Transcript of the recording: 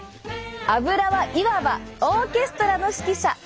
アブラはいわばオーケストラの指揮者！